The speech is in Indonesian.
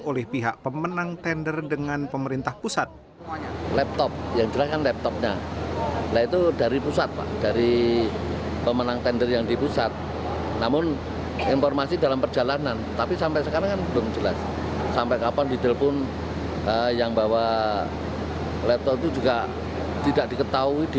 oleh pihak pemenang tender dengan pemerintah pusat